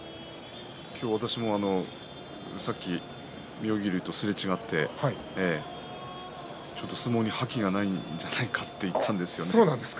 今日、私もさっき妙義龍とすれ違ってちょっと相撲に覇気がないんじゃないかと言ったんですよね。